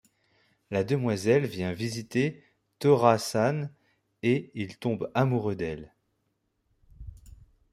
La demoiselle vient visiter Tora-san et il tombe amoureux d'elle.